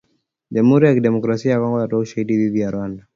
Jamhuri ya Kidemokrasia ya Kongo yatoa ‘ushahidi’ dhidi ya Rwanda.